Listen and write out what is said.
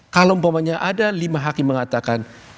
kalau umpamanya ada lima hakim mengatakan